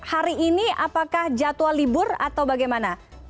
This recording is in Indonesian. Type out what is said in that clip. hari ini apakah jadwal libur atau bagaimana